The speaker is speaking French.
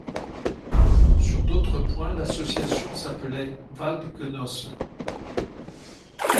Sur d'autres points l'association s'appelait Waldgenossen.